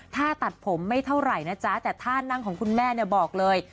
ถ้าตัดผมไม่เท่าไหร่นะจ๊ะแต่ท่านั่งของคุณแม่เนี่ยบอกเลย